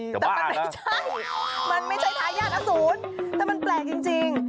แต่มันไม่ใช่มันไม่ใช่ทายาทอสูรแต่มันแปลกจริง